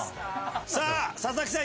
さあ佐々木さん